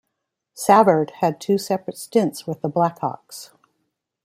Savard had two separate stints with the Blackhawks.